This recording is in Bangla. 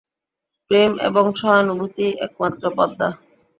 প্রেম এবং সহানুভূতিই একমাত্র পন্থা।